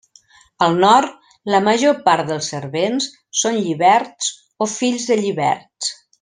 Al Nord la major part dels servents són lliberts o fills de lliberts.